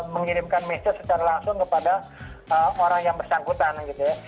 mengirimkan message secara langsung kepada orang yang bersangkutan gitu ya